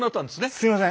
すいません。